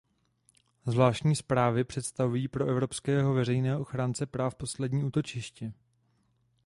Zvláštní zprávy představují pro evropského veřejného ochránce práv poslední útočiště.